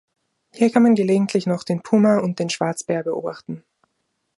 Hier kann man gelegentlich noch den Puma und den Schwarzbär beobachten.